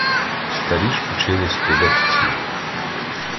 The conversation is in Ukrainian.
Старі ж учились кидать в ціль.